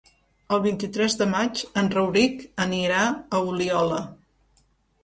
El vint-i-tres de maig en Rauric anirà a Oliola.